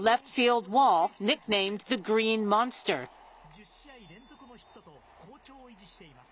１０試合連続のヒットと、好調を維持しています。